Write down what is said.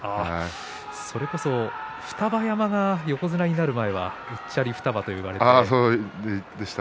それこそ双葉山が横綱になる前はうっちゃりの双葉といわれていました。